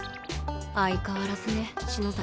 相変わらずね篠崎